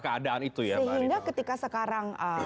keadaan itu ya sehingga ketika sekarang